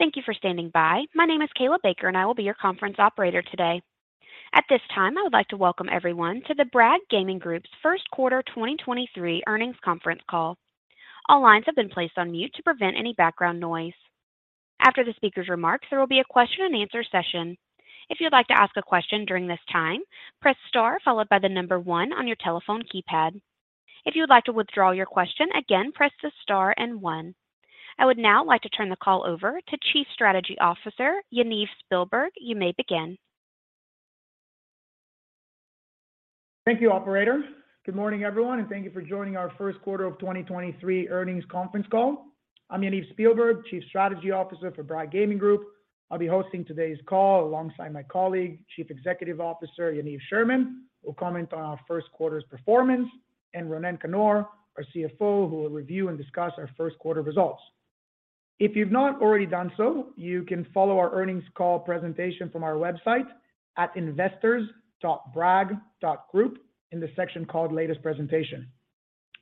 Thank you for standing by. My name is Kayla Baker, and I will be your conference operator today. At this time, I would like to welcome everyone to the Bragg Gaming Group's Q1 2023 Earnings Conference Call. All lines have been placed on mute to prevent any background noise. After the speaker's remarks, there will be a question and answer session. If you'd like to ask a question during this time, press star followed by one on your telephone keypad. If you would like to withdraw your question again, press the star and one. I would now like to turn the call over to Chief Strategy Officer, Yaniv Spielberg. You may begin. Thank you, operator. Good morning, everyone, thank you for joining our Q1 of 2023 Earnings Conference Call. I'm Yaniv Spielberg, Chief Strategy Officer for Bragg Gaming Group. I'll be hosting today's call alongside my colleague, Chief Executive Officer, Yaniv Sherman, who'll comment on our Q1's performance, and Ronen Kannor, our CFO, who will review and discuss our Q1 results. If you've not already done so, you can follow our earnings call presentation from our website at investors.bragg.group in the section called Latest Presentation.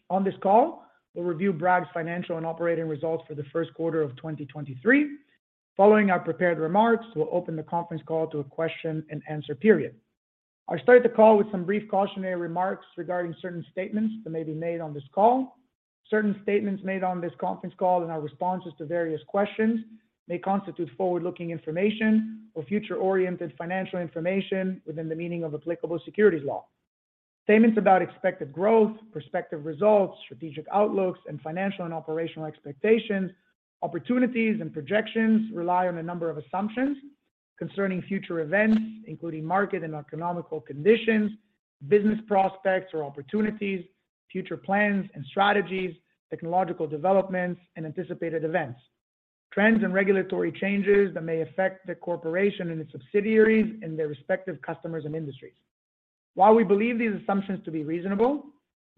On this call, we'll review Bragg's financial and operating results for the Q1 of 2023. Following our prepared remarks, we'll open the conference call to a question and answer period. I'll start the call with some brief cautionary remarks regarding certain statements that may be made on this call. Certain statements made on this conference call and our responses to various questions may constitute forward-looking information or future-oriented financial information within the meaning of applicable securities law. Statements about expected growth, prospective results, strategic outlooks, and financial and operational expectations, opportunities and projections rely on a number of assumptions concerning future events, including market and economic conditions, business prospects or opportunities, future plans and strategies, technological developments and anticipated events, trends and regulatory changes that may affect the corporation and its subsidiaries and their respective customers and industries. While we believe these assumptions to be reasonable,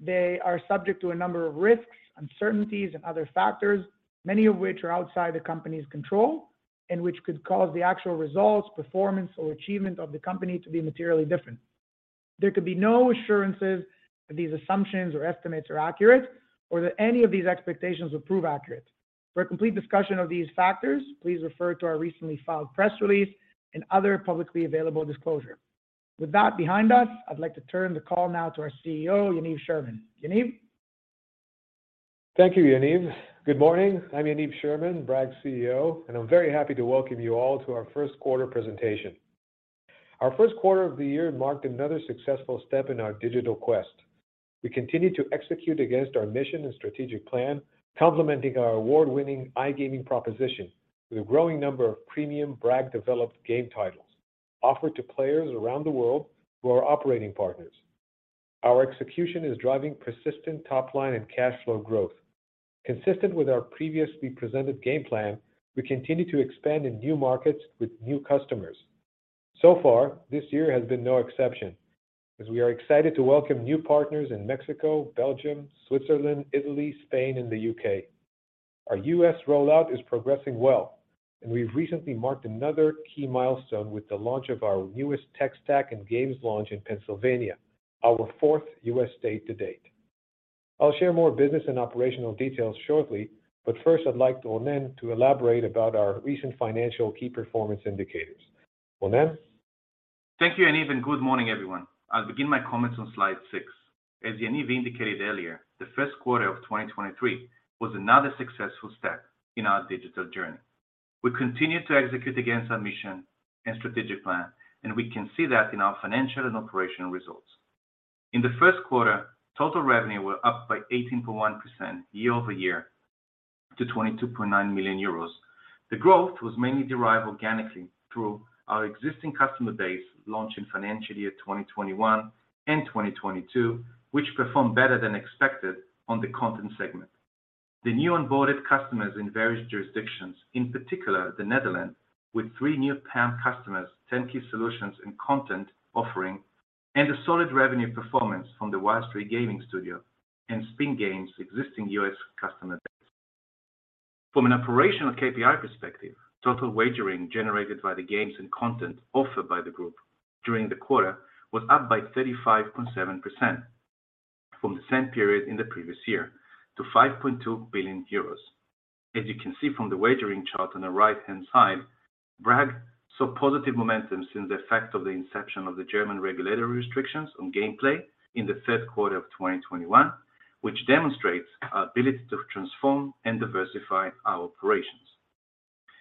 they are subject to a number of risks, uncertainties and other factors, many of which are outside the company's control and which could cause the actual results, performance or achievement of the company to be materially different. There could be no assurances that these assumptions or estimates are accurate or that any of these expectations will prove accurate. For a complete discussion of these factors, please refer to our recently filed press release and other publicly available disclosure. With that behind us, I'd like to turn the call now to our CEO, Yaniv Sherman. Yaniv? Thank you, Yaniv. Good morning. I'm Yaniv Sherman, Bragg's CEO. I'm very happy to welcome you all to our Q1 presentation. Our Q1 of the year marked another successful step in our digital quest. We continue to execute against our mission and strategic plan, complementing our award-winning iGaming proposition with a growing number of premium Bragg-developed game titles offered to players around the world who are operating partners. Our execution is driving persistent top line and cash flow growth. Consistent with our previously presented game plan, we continue to expand in new markets with new customers. Far, this year has been no exception as we are excited to welcome new partners in Mexico, Belgium, Switzerland, Italy, Spain, and the U.K. Our US rollout is progressing well. We've recently marked another key milestone with the launch of our newest tech stack and games launch in Pennsylvania, our fourth US state to date. I'll share more business and operational details shortly. First, I'd like Ronen to elaborate about our recent financial key performance indicators. Ronen? Thank you, Yaniv Spielberg, and good morning, everyone. I'll begin my comments on slide six. As Yaniv Spielberg indicated earlier, the Q1 of 2023 was another successful step in our digital journey. We continue to execute against our mission and strategic plan, and we can see that in our financial and operational results. In the Q1, total revenue were up by 18.1% year-over-year to 22.9 million euros. The growth was mainly derived organically through our existing customer base launch in financial year 2021 and 2022, which performed better than expected on the content segment. The new onboarded customers in various jurisdictions, in particular the Netherlands, with three new PAM customers, turnkey solutions and content offering, and a solid revenue performance from the Wild Streak Gaming studio and Spin Games existing U.S. customer base. From an operational KPI perspective, total wagering generated by the games and content offered by the group during the quarter was up by 35.7% from the same period in the previous year to 5.2 billion euros. As you can see from the wagering chart on the right-hand side, Bragg saw positive momentum since the effect of the inception of the German regulatory restrictions on gameplay in theQ3 of 2021, which demonstrates our ability to transform and diversify our operations.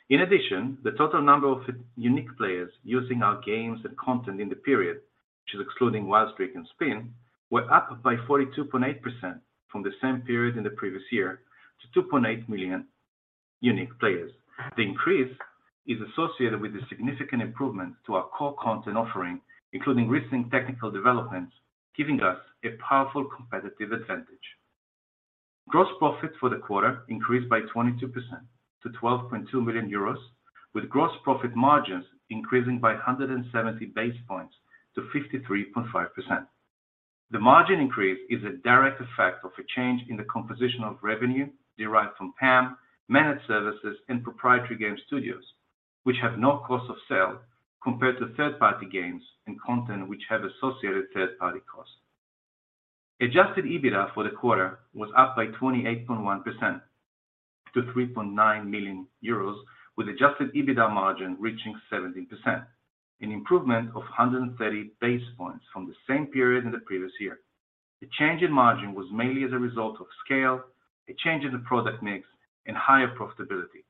In addition, the total number of unique players using our games and content in the period, which is excluding Wild Streak and Spin, were up by 42.8% from the same period in the previous year to 2.8 million unique players. The increase is associated with the significant improvements to our core content offering, including recent technical developments, giving us a powerful competitive advantage. Gross profit for the quarter increased by 22% to 12.2 million euros, with gross profit margins increasing by 170 basis points to 53.5%. The margin increase is a direct effect of a change in the composition of revenue derived from PAM, managed services and proprietary game studios, which have no cost of sale, compared to third-party games and content which have associated third party costs. Adjusted EBITDA for the quarter was up by 28.1% to 3.9 million euros, with Adjusted EBITDA margin reaching 17%, an improvement of 130 basis points from the same period in the previous year. The change in margin was mainly as a result of scale, a change in the product mix and higher profitability.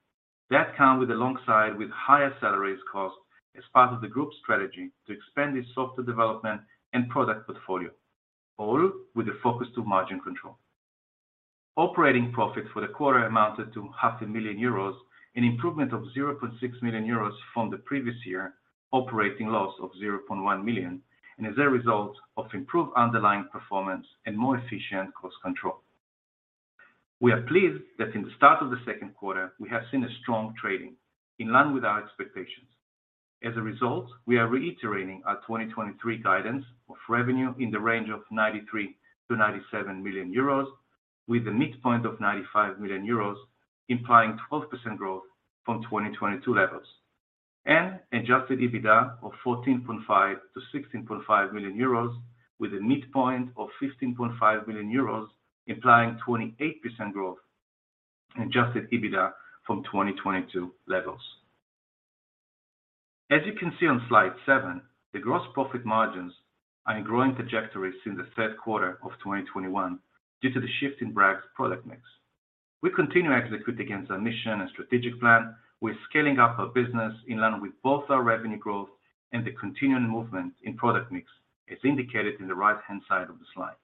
That come with alongside with higher salaries cost as part of the group's strategy to expand its software development and product portfolio, all with a focus to margin control. Operating profit for the quarter amounted to half a million EUR, an improvement of 0.6 million euros from the previous year operating loss of 0.1 million, and as a result of improved underlying performance and more efficient cost control. We are pleased that in the start of theQ2 we have seen a strong trading in line with our expectations. As a result, we are reiterating our 2023 guidance of revenue in the range of 93 million-97 million euros, with a midpoint of 95 million euros implying 12% growth from 2022 levels. Adjusted EBITDA of 14.5 million-16.5 million euros with a midpoint of 15.5 million euros, implying 28% growth in Adjusted EBITDA from 2022 levels. As you can see on slide 7, the gross profit margins are in growing trajectories in Q3 2021 due to the shift in Bragg's product mix. We continue to execute against our mission and strategic plan. We're scaling up our business in line with both our revenue growth and the continuing movement in product mix, as indicated in the right-hand side of the slide.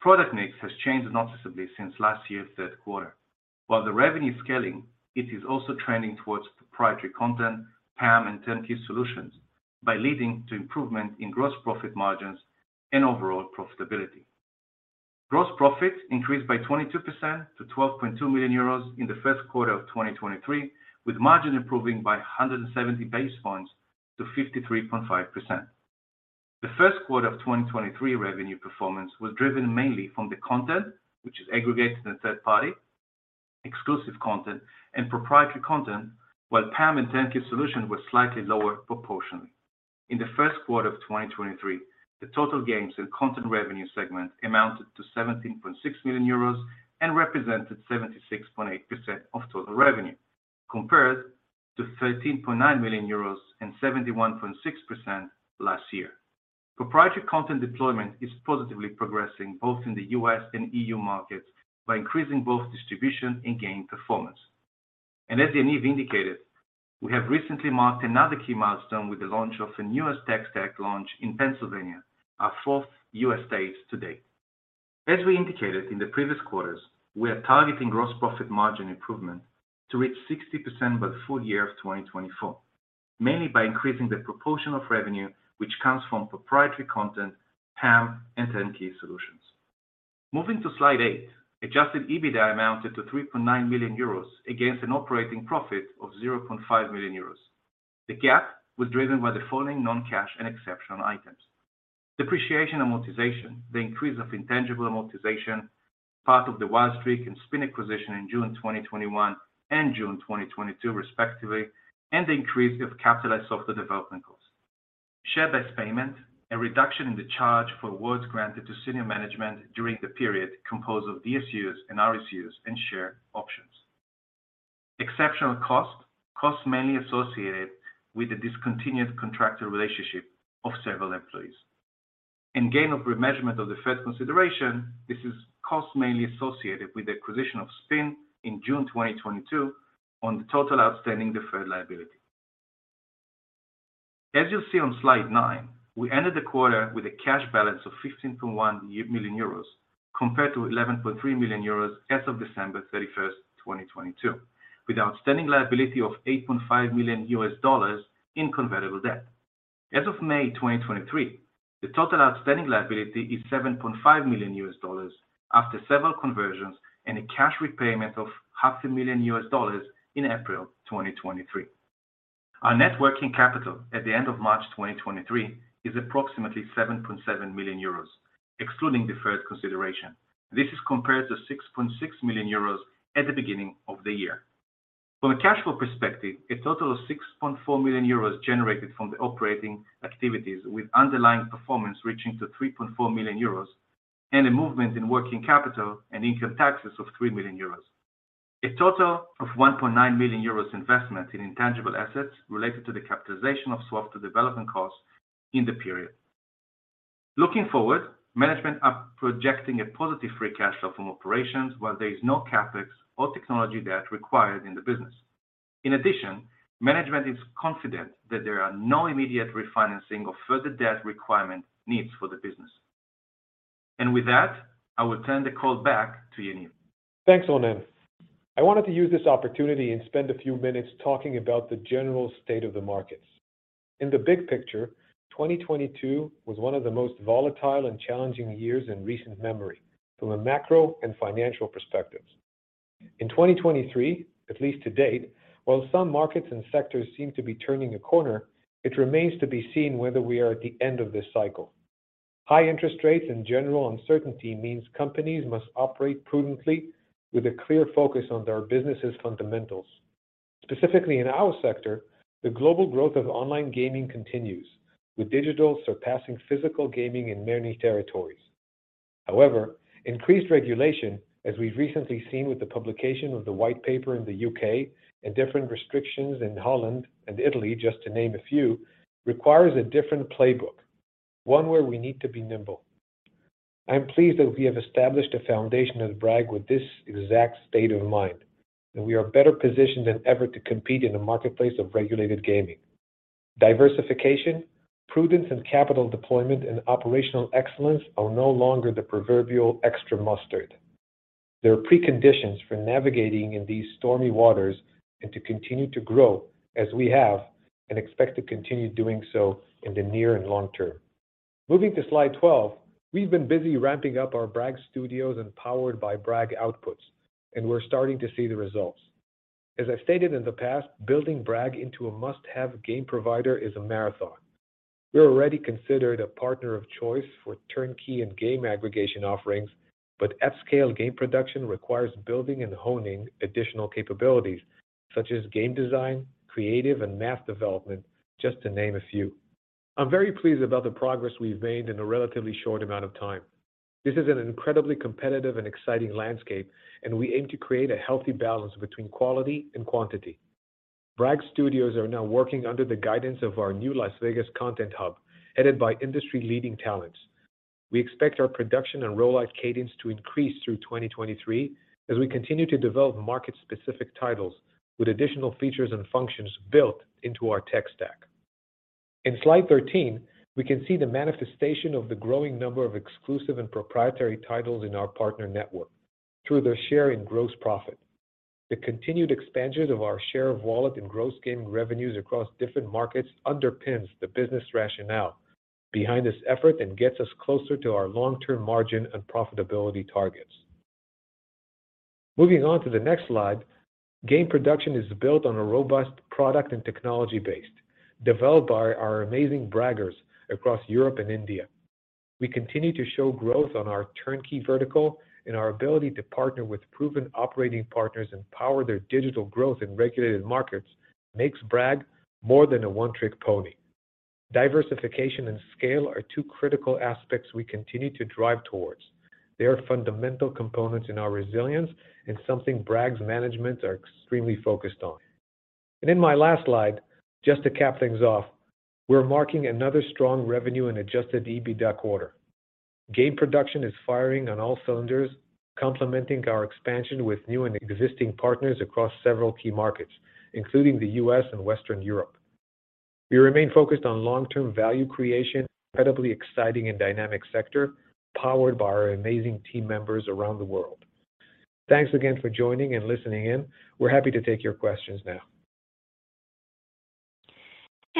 Product mix has changed noticeably since last year's Q3. While the revenue is scaling, it is also trending towards proprietary content, PAM and turnkey solutions by leading to improvement in gross profit margins and overall profitability. Gross profit increased by 22% to 12.2 million euros in the Q1 of 2023, with margin improving by 170 basis points to 53.5%. The Q1 of 2023 revenue performance was driven mainly from the content which is aggregated in third party, exclusive content and proprietary content, while PAM and turnkey solution were slightly lower proportionally. In the Q1 of 2023, the total games and content revenue segment amounted to 17.6 million euros and represented 76.8% of total revenue, compared to 13.9 million euros and 71.6% last year. Proprietary content deployment is positively progressing both in the US and EU markets by increasing both distribution and gain performance. As Yaniv indicated, we have recently marked another key milestone with the launch of the newest tax stack launch in Pennsylvania, our fourth US state to date. As we indicated in the previous quarters, we are targeting gross profit margin improvement to reach 60% by the full year of 2024, mainly by increasing the proportion of revenue which comes from proprietary content, PAM and turnkey solutions. Moving to slide 8. Adjusted EBITDA amounted to 3.9 million euros against an operating profit of 0.5 million euros. The gap was driven by the following non-cash and exceptional items. Depreciation amortization, the increase of intangible amortization, part of the Wild Streak and Spin acquisition in June 2021 and June 2022 respectively, and the increase of capitalized software development costs. Share-based payment, a reduction in the charge for awards granted to senior management during the period composed of DSUs and RSUs and share options. Exceptional cost. Costs mainly associated with the discontinued contractor relationship of several employees. Gain of remeasurement of deferred consideration. This is cost mainly associated with the acquisition of Spin in June 2022 on the total outstanding deferred liability. As you'll see on slide 9, we ended the quarter with a cash balance of 15.1 million euros compared to 11.3 million euros as of December 31st, 2022, with outstanding liability of $8.5 million in convertible debt. As of May 2023, the total outstanding liability is $7.5 million after several conversions and a cash repayment of half a million US dollars in April 2023. Our net working capital at the end of March 2023 is approximately 7.7 million euros, excluding deferred consideration. This is compared to 6.6 million euros at the beginning of the year. From a cash flow perspective, a total of 6.4 million euros generated from the operating activities, with underlying performance reaching to 3.4 million euros and a movement in working capital and income taxes of 3 million euros. A total of 1.9 million euros investment in intangible assets related to the capitalization of software development costs in the period. Looking forward, management are projecting a positive free cash flow from operations, while there is no CapEx or technology debt required in the business. In addition, management is confident that there are no immediate refinancing of further debt requirement needs for the business. With that, I will turn the call back to Yaniv. Thanks, Ronen. I wanted to use this opportunity and spend a few minutes talking about the general state of the markets. In the big picture, 2022 was one of the most volatile and challenging years in recent memory from a macro and financial perspectives. In 2023, at least to date, while some markets and sectors seem to be turning a corner, it remains to be seen whether we are at the end of this cycle. High interest rates and general uncertainty means companies must operate prudently with a clear focus on their business's fundamentals. Specifically, in our sector, the global growth of iGaming continues, with digital surpassing physical gaming in many territories. Increased regulation, as we've recently seen with the publication of the White Paper in the U.K. and different restrictions in Holland and Italy, just to name a few, requires a different playbook, one where we need to be nimble. I'm pleased that we have established a foundation at Bragg with this exact state of mind, and we are better positioned than ever to compete in a marketplace of regulated gaming. Diversification, prudence in capital deployment, and operational excellence are no longer the proverbial extra mustard. There are preconditions for navigating in these stormy waters and to continue to grow as we have and expect to continue doing so in the near and long term. Moving to slide 12, we've been busy ramping up our Bragg Studios and Powered By Bragg outputs, and we're starting to see the results. As I've stated in the past, building Bragg into a must-have game provider is a marathon. We're already considered a partner of choice for turnkey and game aggregation offerings, but F-scale game production requires building and honing additional capabilities such as game design, creative, and math development, just to name a few. I'm very pleased about the progress we've made in a relatively short amount of time. This is an incredibly competitive and exciting landscape, and we aim to create a healthy balance between quality and quantity. Bragg Studios are now working under the guidance of our new Las Vegas content hub, headed by industry-leading talents. We expect our production and rollout cadence to increase through 2023 as we continue to develop market-specific titles with additional features and functions built into our tech stack. In slide 13, we can see the manifestation of the growing number of exclusive and proprietary titles in our partner network through their share in gross profit. The continued expansion of our share of wallet and gross gaming revenues across different markets underpins the business rationale behind this effort and gets us closer to our long-term margin and profitability targets. Moving on to the next slide, game production is built on a robust product and technology base developed by our amazing Braggers across Europe and India. We continue to show growth on our turnkey vertical, and our ability to partner with proven operating partners and power their digital growth in regulated markets makes Bragg more than a one-trick pony. Diversification and scale are two critical aspects we continue to drive towards. They are fundamental components in our resilience and something Bragg's management are extremely focused on. In my last slide, just to cap things off, we're marking another strong revenue and Adjusted EBITDA quarter. Game production is firing on all cylinders, complementing our expansion with new and existing partners across several key markets, including the U.S. and Western Europe. We remain focused on long-term value creation, incredibly exciting and dynamic sector powered by our amazing team members around the world. Thanks again for joining and listening in. We're happy to take your questions now.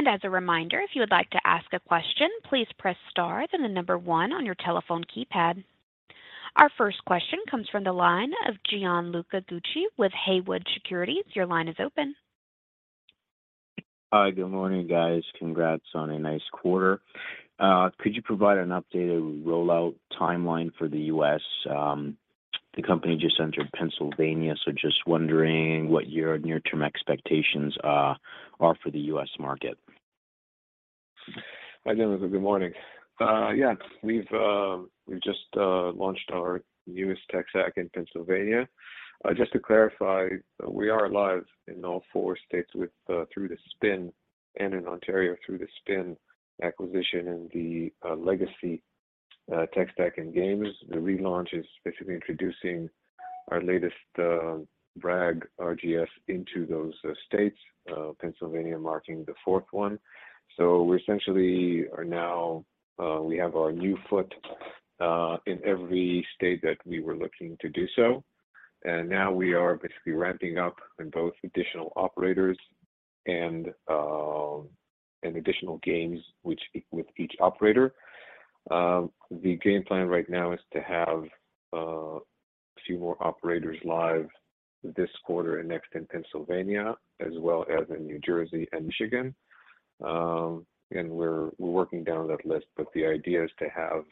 As a reminder, if you would like to ask a question, please press star, then the number one on your telephone keypad. Our first question comes from the line of Gianluca Tucci with Haywood Securities. Your line is open. Hi. Good morning, guys. Congrats on a nice quarter. Could you provide an updated rollout timeline for the U.S.? The company just entered Pennsylvania, so just wondering what your near-term expectations are for the U.S. market. Hi, Gianluca. Good morning. We've just launched our newest tech stack in Pennsylvania. Just to clarify, we are live in all 4 states with through the Spin and in Ontario through the Spin acquisition and the legacy tech stack and games. The relaunch is basically introducing our latest Bragg RGS into those states, Pennsylvania marking the 4th one. We essentially have our new foot in every state that we were looking to do so. Now we are basically ramping up in both additional operators and additional games with each operator. The game plan right now is to have a few more operators live this quarter and next in Pennsylvania, as well as in New Jersey and Michigan. We're working down that list, but the idea is to have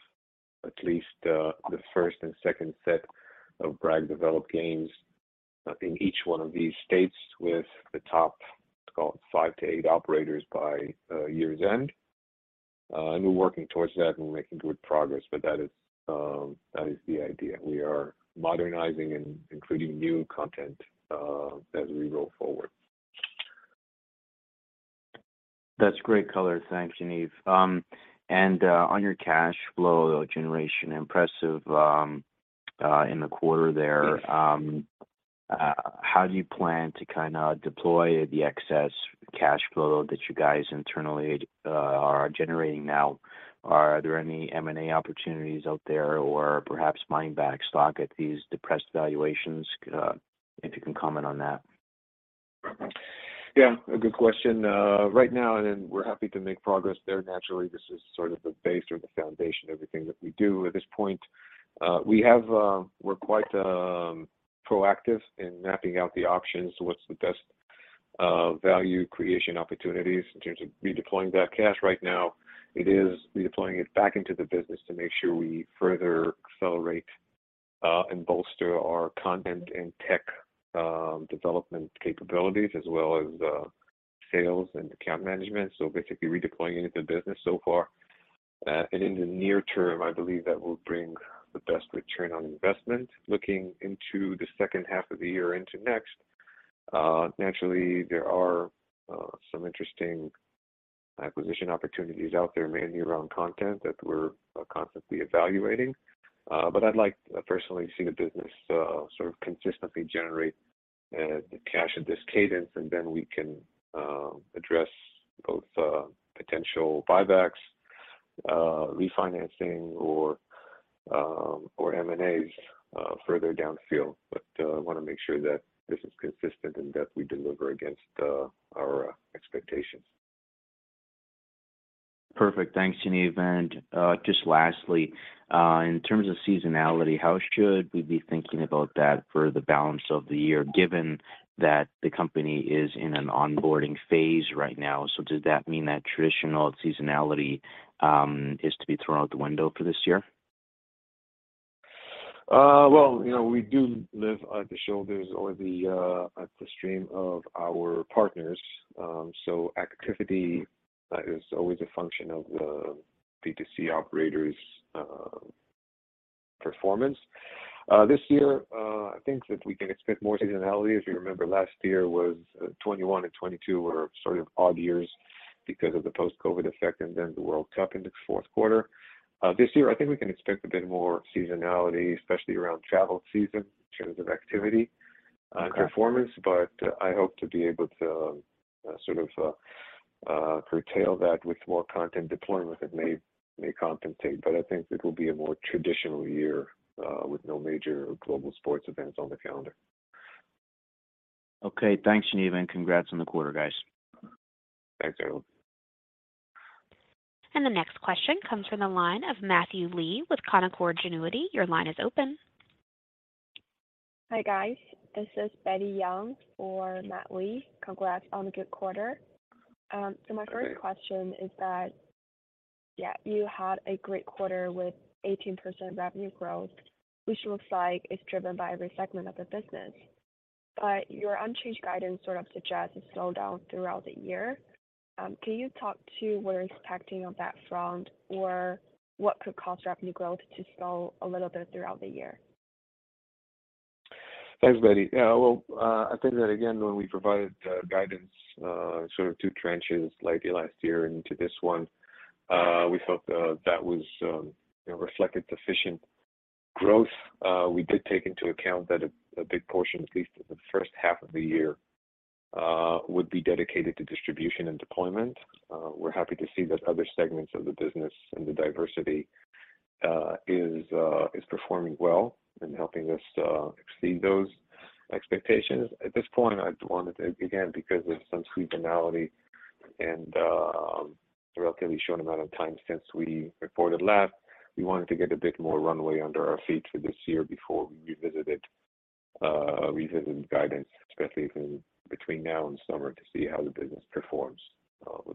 at least the first and second set of Bragg-developed games in each one of these states with the top, let's call it 5 to 8 operators by year's end. we're working towards that and we're making good progress, but that is the idea. We are modernizing and including new content as we roll forward. That's great color. Thanks, Yaniv. On your cash flow generation, impressive, in the quarter there. Yes. How do you plan to deploy the excess cash flow that you guys internally are generating now? Are there any M&A opportunities out there or perhaps buying back stock at these depressed valuations? If you can comment on that. Yeah, a good question. Right now, we're happy to make progress there. Naturally, this is the base or the foundation of everything that we do. At this point, we're quite proactive in mapping out the options. What's the best value creation opportunities in terms of redeploying that cash. Right now, it is redeploying it back into the business to make sure we further accelerate. Bolster our content and tech development capabilities as well as sales and account management. Basically redeploying into business so far. In the near term, I believe that will bring the best return on investment. Looking into the H2 of the year into next, naturally there are some interesting acquisition opportunities out there, mainly around content that we're constantly evaluating. I'd like to personally see the business consistently generate the cash at this cadence, and then we can address both potential buybacks, refinancing or M&As further down the field. I want to make sure that this is consistent and that we deliver against our expectations. Perfect. Thanks, Gianluca. Just lastly, in terms of seasonality, how should we be thinking about that for the balance of the year, given that the company is in an onboarding phase right now? Does that mean that traditional seasonality is to be thrown out the window for this year? Well, you know, we do live at the shoulders or the, at the stream of our partners. Activity is always a function of the B2C operator's performance. This year, I think that we can expect more seasonality. If you remember last year was 2021 and 2022 were odd years because of the post-COVID effect and then the World Cup in theQ4. This year I think we can expect a bit more seasonality, especially around travel season in terms of activity performance. I hope to be able to curtail that with more content deployment that may compensate. I think it will be a more traditional year with no major global sports events on the calendar. Okay. Thanks, Gian, and congrats on the quarter, guys. Thank you. The next question comes from the line of Matthew Lee with Canaccord Genuity. Your line is open. Hi, guys. This is Betty Chan for Matthew Lee. Congrats on a good quarter. My first question is that, yeah, you had a great quarter with 18% revenue growth, which looks like it's driven by every segment of the business. Your unchanged guidance suggests a slowdown throughout the year. Can you talk to what you're expecting on that front or what could cause revenue growth to slow a little bit throughout the year? Thanks, Betty. Well, I think that, again, when we provided guidance, two tranches lately last year into this one, we felt that was, you know, reflected sufficient growth. We did take into account that a big portion, at least in the H1 of the year, would be dedicated to distribution and deployment. We're happy to see that other segments of the business and the diversity is performing well and helping us exceed those expectations. At this point, I wanted to, again, because of some seasonality and a relatively short amount of time since we reported last, we wanted to get a bit more runway under our feet for this year before we revisited revisited guidance, especially between now and summer to see how the business performs.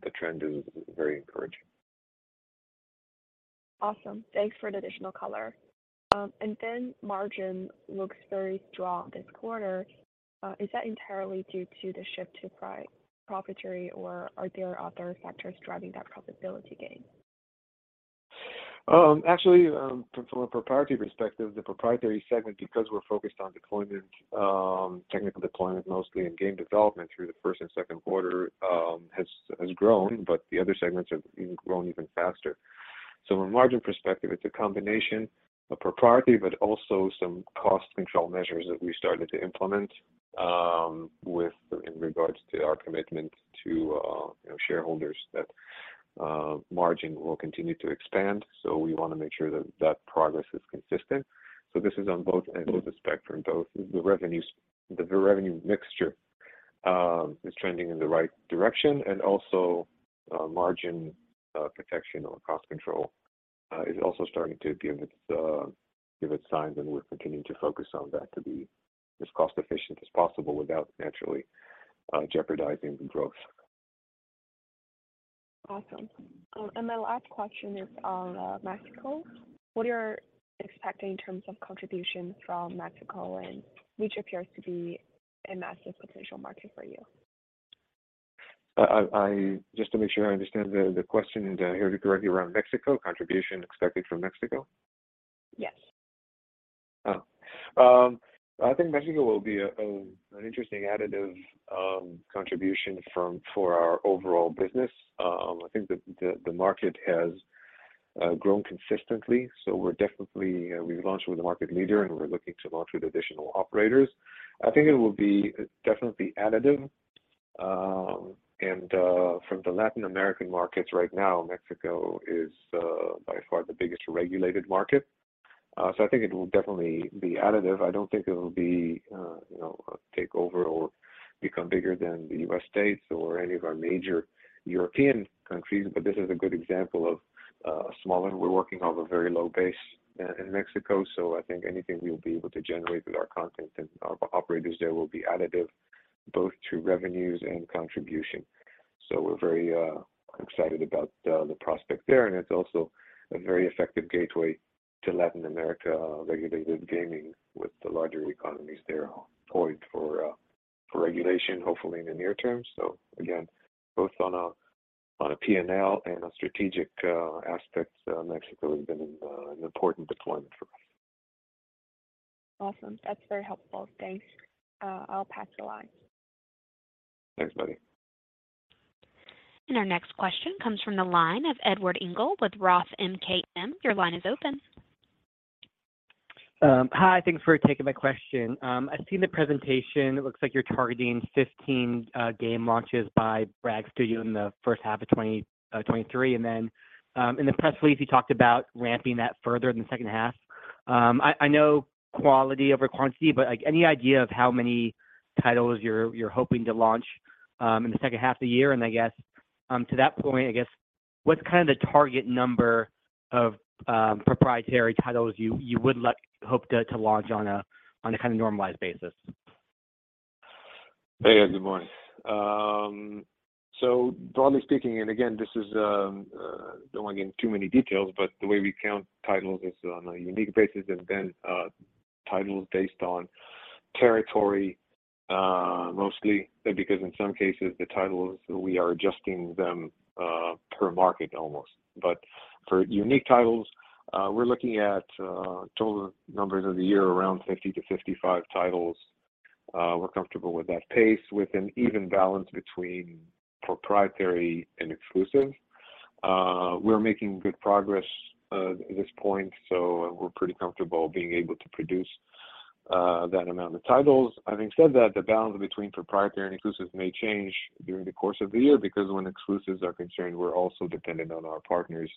The trend is very encouraging. Awesome. Thanks for the additional color. Margin looks very strong this quarter. Is that entirely due to the shift to proprietary, or are there other factors driving that profitability gain? Actually, from a proprietary perspective, the proprietary segment, because we're focused on deployment, technical deployment mostly, and game development through the 1st and 2nd quarter, has grown, but the other segments have been growing even faster. From a margin perspective, it's a combination of proprietary, but also some cost control measures that we started to implement in regards to our commitment to, you know, shareholders that margin will continue to expand. We want to make sure that that progress is consistent. This is on both ends of the spectrum, both the revenues... The revenue mixture is trending in the right direction, and also margin protection or cost control is also starting to give its signs, and we're continuing to focus on that to be as cost efficient as possible without naturally jeopardizing the growth. Awesome. My last question is on Mexico. What are you expecting in terms of contribution from Mexico and which appears to be a massive potential market for you? Just to make sure I understand the question and I heard it correctly around Mexico, contribution expected from Mexico? Yes. I think Mexico will be an interesting additive contribution for our overall business. I think the market has grown consistently, so we're definitely. We've launched with a market leader, and we're looking to launch with additional operators. I think it will be definitely additive. From the Latin American markets right now, Mexico is by far the biggest regulated market. I think it will definitely be additive. I don't think it'll be, you know, a takeover or become bigger than the U.S. states or any of our major European countries. This is a good example of a small, and we're working off a very low base in Mexico. I think anything we'll be able to generate with our content and our operators there will be additive. Both to revenues and contribution. We're very excited about the prospect there, and it's also a very effective gateway to Latin America regulated gaming with the larger economies there poised for regulation, hopefully in the near term. Again, both on a P&L and a strategic aspect, Mexico has been an important deployment for us. Awesome. That's very helpful. Thanks. I'll pass the line. Thanks, Betty. Our next question comes from the line of Edward Engel with Roth MKM. Your line is open. Hi, thanks for taking my question. I've seen the presentation. It looks like you're targeting 15 game launches by Bragg Studios in the H1 of 2023. Then, in the press release, you talked about ramping that further in the H2. I know quality over quantity, but, like, any idea of how many titles you're hoping to launch in the H2 of the year? I guess, to that point, I guess, what's the target number of proprietary titles you would like hope to launch on a normalized basis? Hey there. Good morning. Broadly speaking, and again, this is. Don't want to get in too many details, but the way we count titles is on a unique basis and then titles based on territory, mostly because in some cases the titles we are adjusting them per market almost. For unique titles, we're looking at total numbers of the year around 50-55 titles. We're comfortable with that pace with an even balance between proprietary and exclusive. We're making good progress at this point, so we're pretty comfortable being able to produce that amount of titles. Having said that, the balance between proprietary and exclusive may change during the course of the year because when exclusives are concerned, we're also dependent on our partners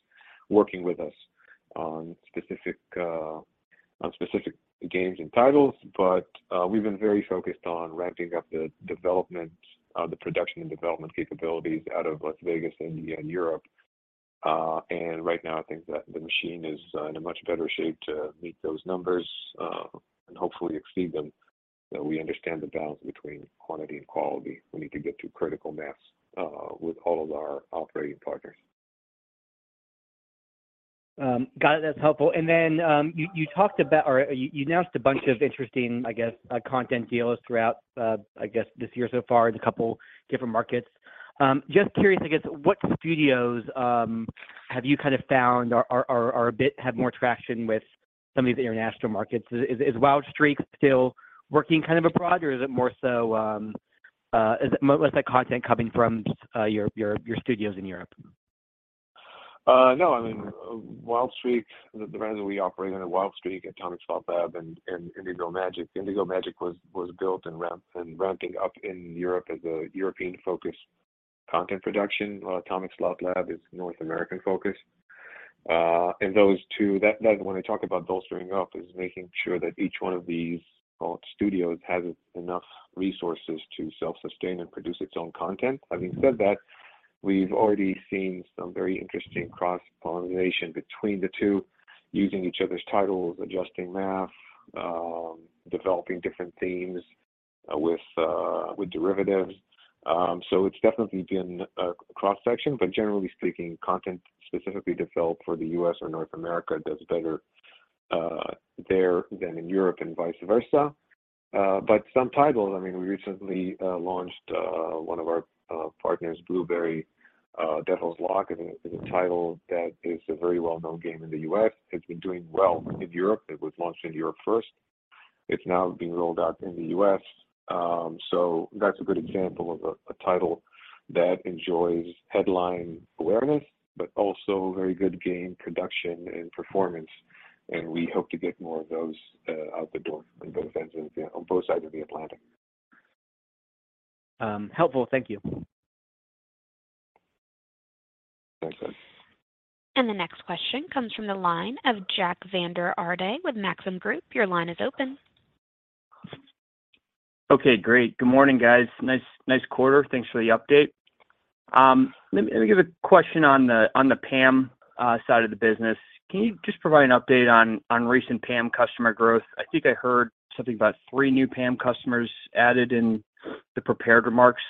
working with us on specific, on specific games and titles. We've been very focused on ramping up the development, the production and development capabilities out of Las Vegas and Europe. Right now I think that the machine is in a much better shape to meet those numbers and hopefully exceed them. We understand the balance between quantity and quality. We need to get to critical mass with all of our operating partners. Got it. That's helpful. You talked about or you announced a bunch of interesting, I guess, content deals throughout, I guess this year so far in a couple different markets. Just curious, I guess what studios have you found have more traction with some of these international markets? Is Wild Streak still working abroad or is it more so, is it less that content coming from your studios in Europe? No, I mean, Wild Streak, the brands that we operate under Wild Streak, Atomic Slot Lab and Indigo Magic. Indigo Magic was built and ramping up in Europe as a European-focused content production. Atomic Slot Lab is North American-focused. Those two... when I talk about bolstering up is making sure that each one of these studios has enough resources to self-sustain and produce its own content. Having said that, we've already seen some very interesting cross-pollination between the two, using each other's titles, adjusting math, developing different themes with derivatives. It's definitely been a cross-section. Generally speaking, content specifically developed for the U.S. or North America does better there than in Europe and vice versa. Some titles, I mean, we recently launched one of our partners, Bluberi, Devil's Lock is a title that is a very well-known game in the US. It's been doing well in Europe. It was launched in Europe first. It's now being rolled out in the US. That's a good example of a title that enjoys headline awareness but also very good game production and performance, and we hope to get more of those out the door on both sides of the Atlantic. Helpful. Thank you. Thanks. The next question comes from the line of Jack Vander Aarde with Maxim Group. Your line is open. Okay, great. Good morning, guys. Nice, nice quarter. Thanks for the update. Let me give a question on the PAM side of the business. Can you just provide an update on recent PAM customer growth? I think I heard something about 3 new PAM customers added in the prepared remarks.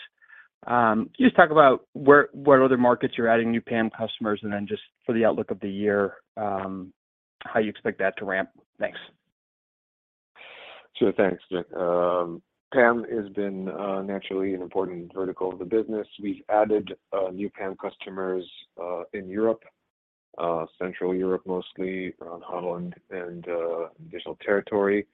Can you just talk about what other markets you're adding new PAM customers, and then just for the outlook of the year, how you expect that to ramp? Thanks. Sure. Thanks, Jack. PAM has been, naturally an important vertical of the business. We've added new PAM customers in Europe, Central Europe mostly around Holland and additional territory.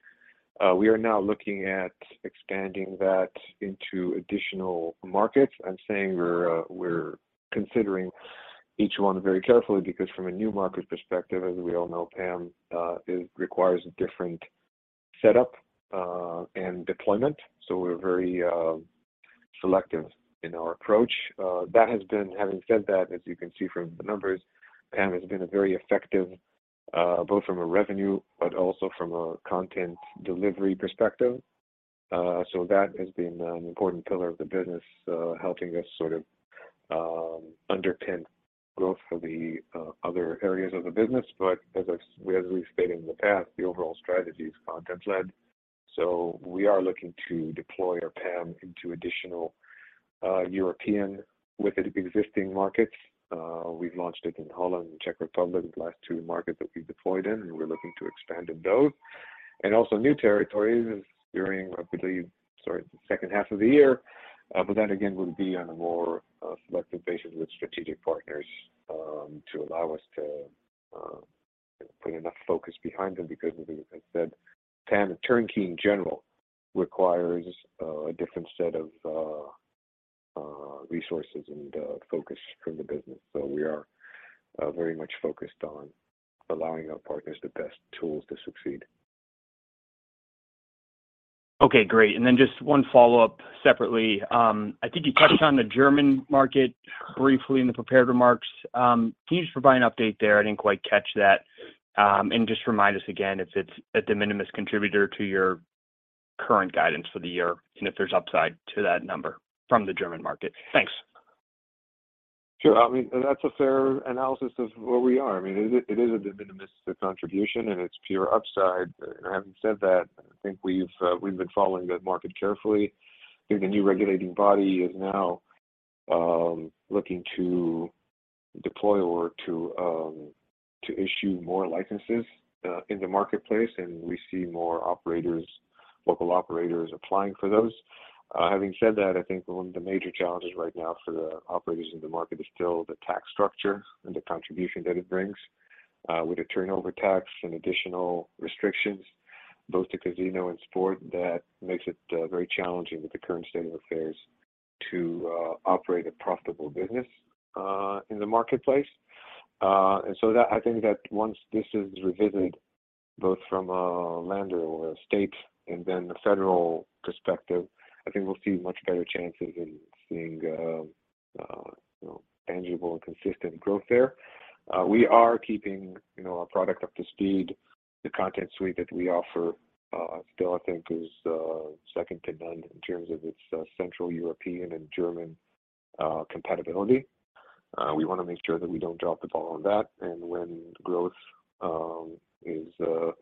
We are now looking at expanding that into additional markets and saying we're considering each one very carefully because from a new market perspective, as we all know, PAM requires a different setup and deployment. We're very selective in our approach. Having said that, as you can see from the numbers, PAM has been a very effective, both from a revenue but also from a content delivery perspective. That has been an important pillar of the business, helping us underpin growth for the other areas of the business. As we've stated in the past, the overall strategy is content-led. We are looking to deploy our PAM into additional European with the existing markets. We've launched it in Holland and Czech Republic, the last 2 markets that we deployed in, and we're looking to expand in those. Also new territories during, I believe, sorry, the H2 of the year. Again, we'll be on a more selective basis with strategic partners to allow us to put enough focus behind them because as I said, PAM turnkey in general requires a different set of resources and focus from the business. We are very much focused on allowing our partners the best tools to succeed. Okay, great. Then just one follow-up separately. I think you touched on the German market briefly in the prepared remarks. Can you just provide an update there? I didn't quite catch that. Just remind us again if it's a de minimis contributor to your current guidance for the year, and if there's upside to that number from the German market. Thanks. Sure. I mean, that's a fair analysis of where we are. I mean, it is a de minimis contribution, and it's pure upside. I think we've been following that market carefully. I think the new regulating body is now looking to deploy or to issue more licenses in the marketplace, and we see more operators, local operators applying for those. I think one of the major challenges right now for the operators in the market is still the tax structure and the contribution that it brings. With the turnover tax and additional restrictions both to casino and sport, that makes it very challenging with the current state of affairs to operate a profitable business in the marketplace. I think that once this is revisited, both from a lender or a state and then the federal perspective, I think we'll see much better chances in seeing tangible and consistent growth there. We are keeping, you know, our product up to speed. The content suite that we offer, still I think is second to none in terms of its Central European and German compatibility. We want to make sure that we don't drop the ball on that. When growth is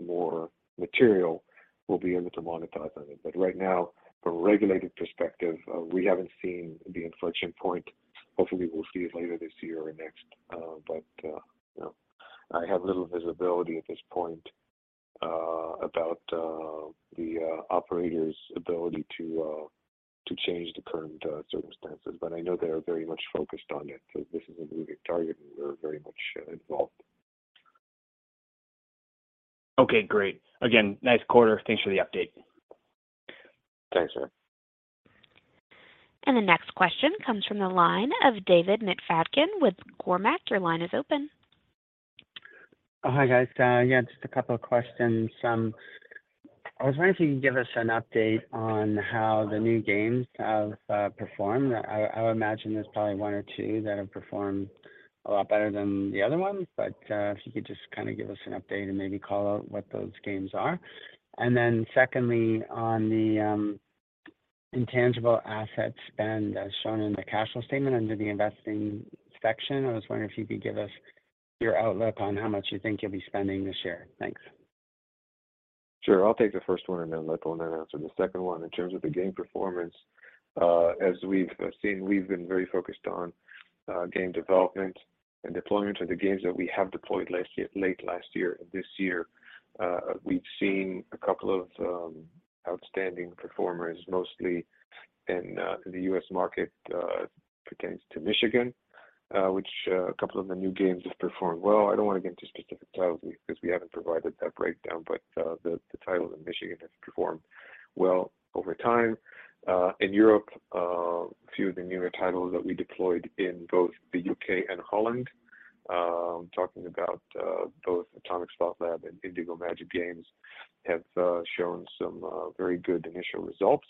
more material, we'll be able to monetize on it. Right now, from a regulated perspective, we haven't seen the inflection point. Hopefully, we'll see it later this year or next. You know, I have little visibility at this point, about the operator's ability to change the current circumstances. I know they are very much focused on it. This is a moving target, and we're very much involved. Okay, great. Again, nice quarter. Thanks for the update. Thanks, sir. The next question comes from the line of David Navratil with Cormark. Your line is open. Oh, hi, guys. Yeah, just a couple of questions. I would imagine there's probably one or two that have performed a lot better than the other ones, but if you could just give us an update and maybe call out what those games are. Secondly, on the intangible asset spend as shown in the cash flow statement under the investing section, I was wondering if you could give us your outlook on how much you think you'll be spending this year. Thanks. Sure. I'll take the first one and let Ronen answer the second one. In terms of the game performance, as we've seen, we've been very focused on game development and deployment of the games that we have deployed late last year and this year. We've seen a couple of outstanding performers, mostly in the U.S. market, pertains to Michigan, which a couple of the new games have performed well. I don't want to get into specifics titles because we haven't provided that breakdown, the titles in Michigan have performed well over time. In Europe, a few of the newer titles that we deployed in both the U.K. and Holland, talking about both Atomic Slot Lab and Indigo Magic Games have shown some very good initial results.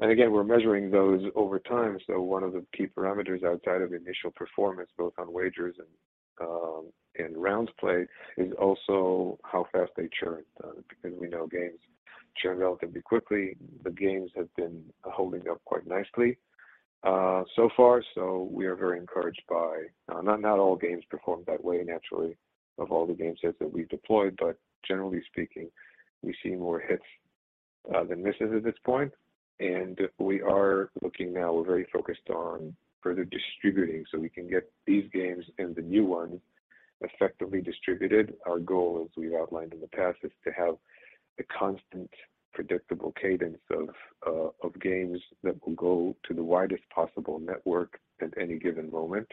Again, we're measuring those over time. One of the key parameters outside of the initial performance, both on wagers and rounds played, is also how fast they churn because we know games churn relatively quickly. The games have been holding up quite nicely so far. We are very encouraged by... Not all games perform that way naturally of all the game sets that we've deployed. Generally speaking, we see more hits than misses at this point. We are looking now. We're very focused on further distributing so we can get these games and the new ones effectively distributed. Our goal, as we've outlined in the past, is to have a constant, predictable cadence of games that will go to the widest possible network at any given moment.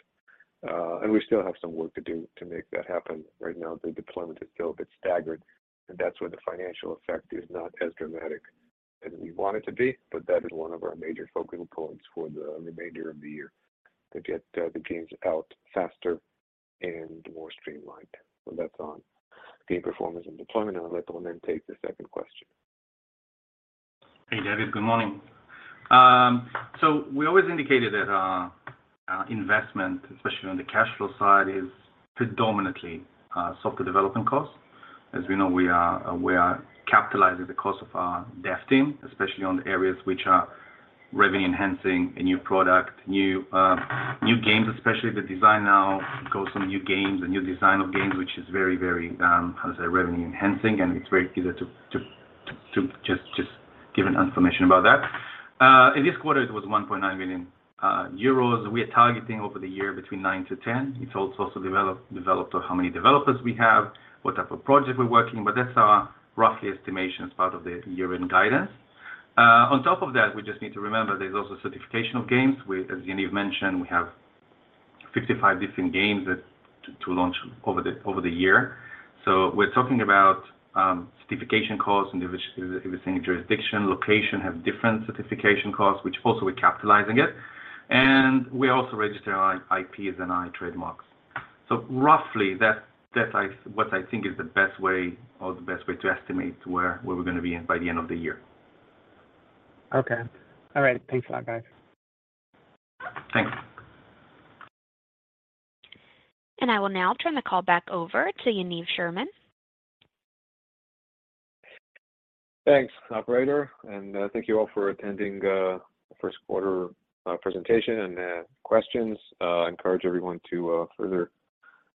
We still have some work to do to make that happen. Right now, the deployment is still a bit staggered, and that's why the financial effect is not as dramatic as we want it to be. That is one of our major focal points for the remainder of the year, to get the games out faster and more streamlined. That's on game performance and deployment. I'll let Onen take the second question. Hey, David. Good morning. We always indicated that our investment, especially on the cash flow side, is predominantly software development costs. As we know, we are capitalizing the cost of our dev team, especially on the areas which are revenue-enhancing, a new product, new games especially. The design now goes on new games, a new design of games, which is very, how to say, revenue-enhancing, and it's very easy to just give an information about that. In this quarter, it was 1.9 million euros. We are targeting over the year between 9 million-10 million. It's also developed on how many developers we have, what type of project we're working, but that's our roughly estimation as part of the year-end guidance. On top of that, we just need to remember there's also certification of games. As Yaniv Spielberg mentioned, we have 55 different games to launch over the year. We're talking about certification costs in which every single jurisdiction, location have different certification costs, which also we're capitalizing it. We also register our IPs and our trademarks. Roughly, that's what I think is the best way or the best way to estimate where we're going to be by the end of the year. Okay. All right. Thanks for that, guys. Thanks. I will now turn the call back over to Yaniv Sherman. Thanks, operator. Thank you all for attending the Q1 presentation and questions. Encourage everyone to further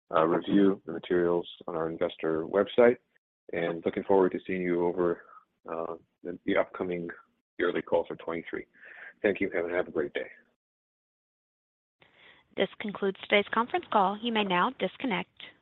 review the materials on our investor website. Looking forward to seeing you over the upcoming yearly calls for 2023. Thank you, and have a great day. This concludes today's conference call. You may now disconnect.